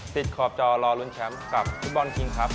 ติดขอบจรรรลุนแชมป์กับธุบรณ์คิงครับ